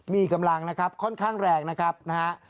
มีกำลังนะครับค่อนข้างแรงนะครับนะฮะ